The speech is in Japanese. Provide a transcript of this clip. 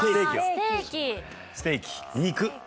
ステーキよ。